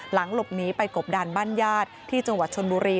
หลบหนีไปกบดานบ้านญาติที่จังหวัดชนบุรี